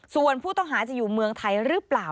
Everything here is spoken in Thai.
ส่วนผู้ต้องหาจะอยู่เมืองไทยหรือเปล่า